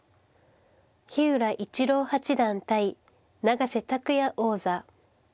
日浦市郎八段対永瀬拓矢王座。